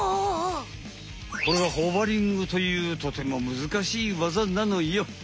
これはホバリングというとてもむずかしいわざなのよ！